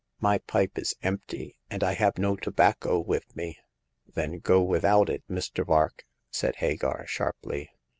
" My pipe is empty, and I have no tobacco with me." " Then go without it, Mr. Vark !'* said Hagar, sharply.